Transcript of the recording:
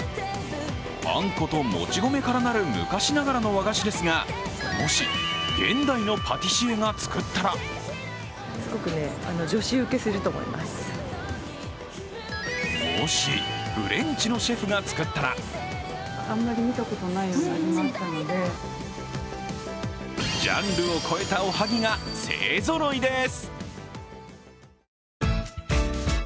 あんこともち米からなる昔ながらの和菓子ですがもし、現代のパティシエが作ったらもし、フレンチのシェフが作ったらジャンルを超えたおはぎが勢ぞろいです。